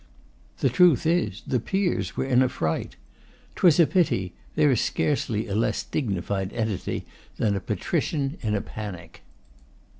The truth is, the peers were in a fright. 'Twas a pity; there is scarcely a less dignified entity than a patrician in a panic.